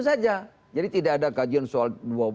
saja jadi tidak ada kajian soal